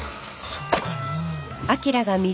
そうかな？